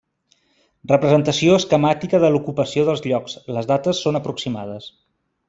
Representació esquemàtica de l'ocupació dels llocs, les dates són aproximades.